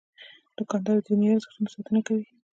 دوکاندار د دیني ارزښتونو ساتنه کوي.